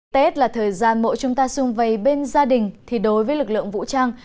tết là thời gian mỗi chúng ta xung vầy bên gia đình thì đối với lực lượng vũ trang